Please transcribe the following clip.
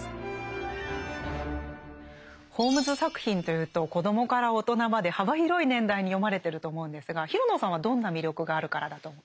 ホームズ作品というと子供から大人まで幅広い年代に読まれてると思うんですが廣野さんはどんな魅力があるからだとお考えですか？